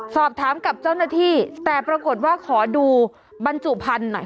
สอบถามกับเจ้าหน้าที่แต่ปรากฏว่าขอดูบรรจุพันธุ์หน่อย